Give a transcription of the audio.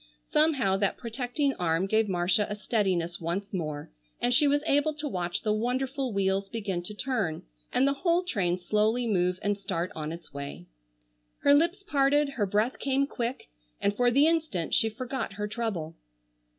Somehow that protecting arm gave Marcia a steadiness once more and she was able to watch the wonderful wheels begin to turn and the whole train slowly move and start on its way. Her lips parted, her breath came quick, and for the instant she forgot her trouble.